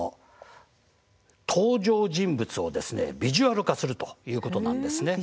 登場人物をビジュアル化するということなんです。